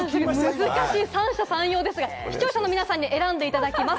難しい三者三様ですが、視聴者の皆さんに選んでいただきます。